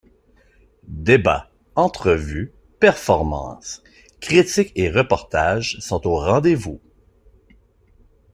Débats, entrevues, performances, critiques et reportage sont au rendez-vous.